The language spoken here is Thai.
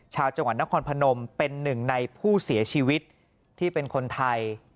ชาวจังหวัดนครพนมเป็นหนึ่งในผู้เสียชีวิตที่เป็นคนไทย